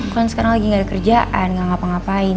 kan sekarang lagi gak ada kerjaan gak ngapa ngapain